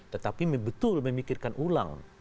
tetapi betul memikirkan ulang